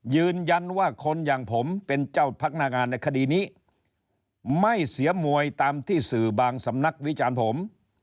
ยืนยันว่าคนอย่างผมเป็นเจ้าพนักงานในคดีนี้ไม่เสียมวยตามที่สื่อบางสำนักวิจารณ์ผม